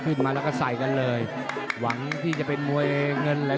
ขึ้นมาแล้วก็ใส่กันเลย